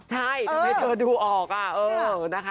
ใช่ทำให้เธอดูออก